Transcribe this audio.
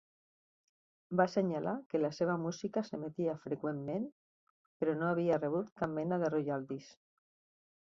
Va assenyalar que la seva música s'emetia freqüentment, però no havia rebut cap mena de royaltys.